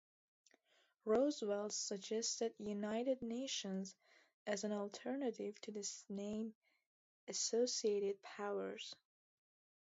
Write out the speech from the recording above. Roosevelt suggested "United Nations" as an alternative to the name "Associated Powers".